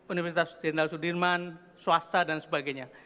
universitas jenderal sudirman swasta dan sebagainya